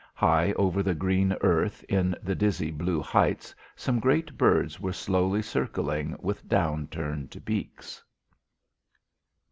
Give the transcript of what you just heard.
High over the green earth, in the dizzy blue heights, some great birds were slowly circling with down turned beaks.